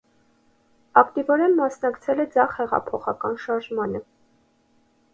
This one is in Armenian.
Ակտիվորեն մասնակցել է ձախ հեղափոխական շարժմանը։